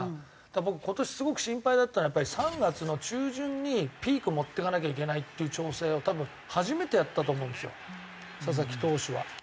僕今年すごく心配だったのはやっぱり３月の中旬にピーク持っていかなきゃいけないっていう調整を多分初めてやったと思うんですよ佐々木投手は。